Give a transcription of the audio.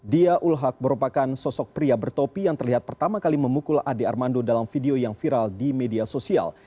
dia ulhak merupakan sosok pria bertopi yang terlihat pertama kali memukul ade armando dalam video yang viral di media sosial